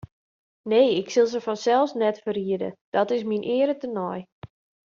Nee, ik sil se fansels net ferriede, dat is myn eare tenei.